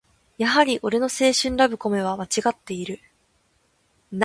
やはり俺の青春ラブコメはまちがっている